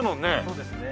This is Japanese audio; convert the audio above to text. そうですね。